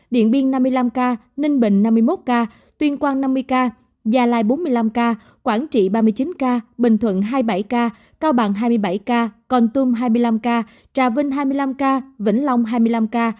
điện biên năm mươi năm ca ninh bình năm mươi một ca tuyên quang năm mươi ca gia lai bốn mươi năm ca quảng trị ba mươi chín ca bình thuận hai mươi bảy ca cao bằng hai mươi bảy ca con tum hai mươi năm ca trà vinh hai mươi năm ca vĩnh long hai mươi năm ca